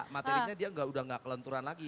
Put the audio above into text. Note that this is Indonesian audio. materinya dia udah gak ke lenturan lagi